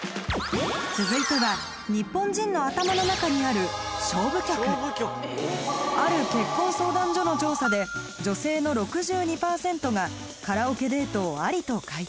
続いてはニッポン人の頭の中にあるある結婚相談所の調査で女性の６２％がカラオケデートをありと回答